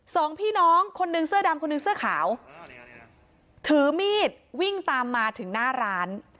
สองพี่น้องคนนึงเสื้อดำคนหนึ่งเสื้อขาวถือมีดวิ่งตามมาถึงหน้าร้าน